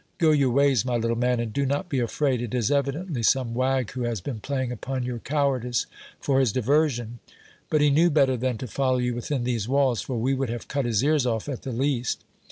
Go your ways, my little man, and do not be afraid ; it is evidently some wag who has been playing upon your cowardice for his diversion ; but he knew better than to follow you within these walls, for we would have cut his ears off at the least.